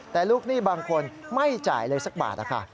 แต่ลูกหนี้บางคนไม่จ่ายเลยสักบาทนะคะ